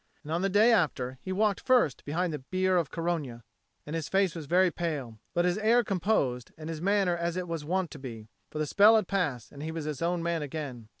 And on the day after he walked first behind the bier of Corogna, and his face was very pale, but his air composed and his manner as it was wont to be. For the spell had passed and he was his own man again.